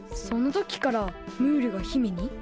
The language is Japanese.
そのときからムールが姫に？